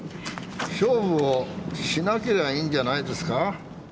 勝負をしなけりゃいいんじゃないですか？